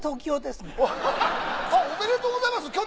おめでとうございます！